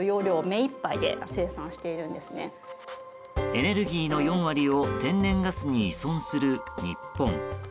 エネルギーの４割を天然ガスに依存する日本。